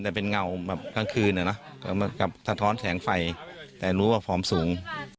แต่เป็นเงาแบบกลางคืนอะนะกับสะท้อนแสงไฟแต่รู้ว่าฟอร์มสูง